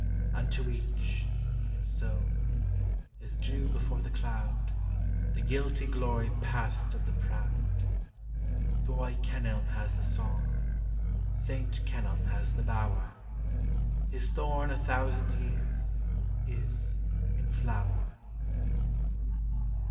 Unto each, even so. As dew before the cloud, The guilty glory passed Of the proud. Boy Kenelm has the song, Saint Kenelm has the bower; His thorn a thousand years Is in flower!